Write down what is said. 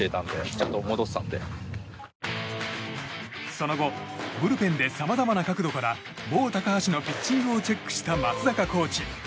その後ブルペンでさまざまな角度からボー・タカハシのピッチングをチェックした松坂コーチ。